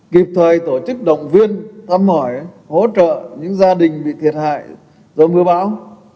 kịp thời tổ chức động viên thăm hỏi hỗ trợ những gia đình bị thiệt hại do mưa bão